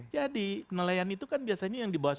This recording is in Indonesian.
jadi nelayan itu kan biasanya yang di bawah sepuluh gt